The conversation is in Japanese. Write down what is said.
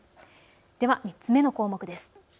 では３つ目の項目です。